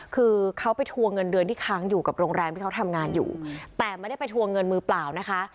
คือเขาไปทวงเงินเดือนที่ค้างอยู่กับโรงแรมที่เขาทำงานอยู่แต่ไม่ได้ไปทวงเงินมือเปล่านะคะ